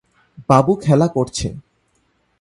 বাবু খেলা করছে।